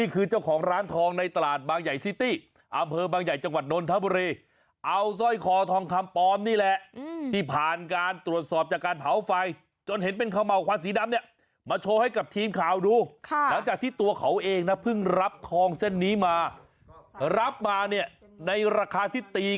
คือเจ้าของร้านทองในตลาดบางใหญ่ซิตี้อำเภอบางใหญ่จังหวัดนนทบุรีเอาสร้อยคอทองคำปลอมนี่แหละที่ผ่านการตรวจสอบจากการเผาไฟจนเห็นเป็นขม่าวควันสีดำเนี่ยมาโชว์ให้กับทีมข่าวดูหลังจากที่ตัวเขาเองนะเพิ่งรับทองเส้นนี้มารับมาเนี่ยในราคาที่ตี